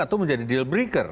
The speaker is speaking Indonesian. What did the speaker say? atau menjadi deal breaker